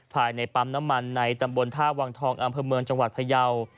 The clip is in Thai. ภายในปั๊มน้ำมันในตำบลท่าวังทองอำเภอเมืองจังหวัดพยาว